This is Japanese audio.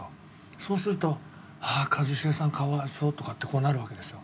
そうすると「一茂さん可哀想」とかってこうなるわけですよ。